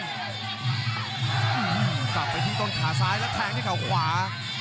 อื้มต่อไปที่ต้นขาซ้ายแล้วแทงที่เขาขวา